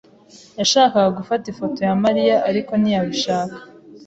yashakaga gufata ifoto ya Mariya, ariko ntiyabishaka.